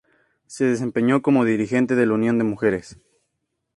Se desempeñó como dirigente de la Unión de Mujeres.